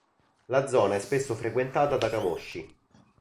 La zona è spesso frequentata da camosci.